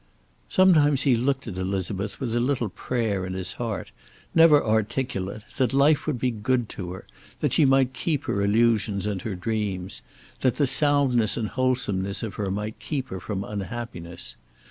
Sometimes he looked at Elizabeth with a little prayer in his heart, never articulate, that life would be good to her; that she might keep her illusions and her dreams; that the soundness and wholesomeness of her might keep her from unhappiness.